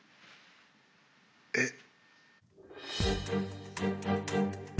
「えっ？」